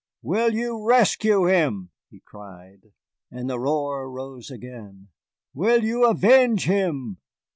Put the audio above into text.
"Will you rescue him?" he cried, and the roar rose again. "Will you avenge him?